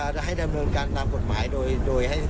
ถ้าคนหนึ่งก็ทำจริงก็ต้องเอาง